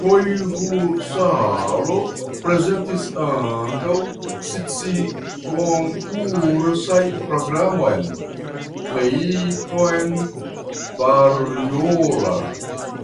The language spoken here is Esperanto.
Koivusalo prezentis ankaŭ scikonkursan programon "Leikin varjolla".